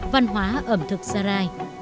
văn hóa ẩm thực sarai